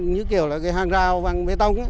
như kiểu hàng rào bằng bê tông